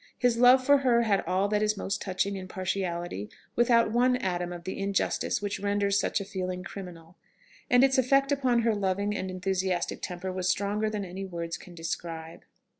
His love for her had all that is most touching in partiality, without one atom of the injustice which renders such a feeling criminal; and its effect upon her loving and enthusiastic temper was stronger than any words can describe.